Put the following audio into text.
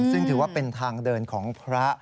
ซึ่งถือว่าเป็นทางเดินของพระ